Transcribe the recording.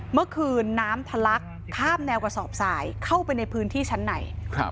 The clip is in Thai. เมื่อคืนน้ำทะลักข้ามแนวกระสอบสายเข้าไปในพื้นที่ชั้นใน